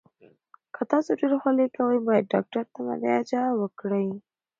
که تاسو ډیر خوله کوئ، باید ډاکټر ته مراجعه وکړئ.